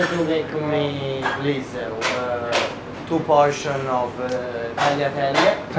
นี่คือพร้อมของพร้อมของรัฐอิทยาลัย